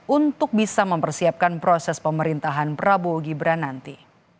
untuk bisa mempersiapkan proses pemerintahan prabowo gibran nanti